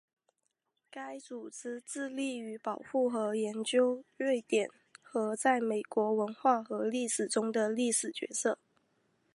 该组织致力于保护和研究瑞典和在美国文化和历史中的历史角色。